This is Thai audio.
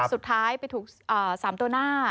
สุดท้ายไปถูก๓ตัวหน้า